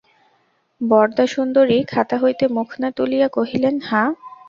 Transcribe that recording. বরদাসুন্দরী খাতা হইতে মুখ না তুলিয়া কহিলেন, হাঁ।